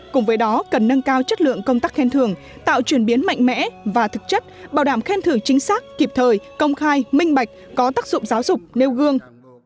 cùng với đó cần nâng cao chất lượng công tác khen thưởng tạo chuyển biến mạnh mẽ và thực chất bảo đảm khen thưởng chính xác kịp thời công khai minh bạch có tác dụng giáo dục nêu gương